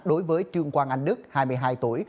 đối với trương quang anh đức hai mươi hai tuổi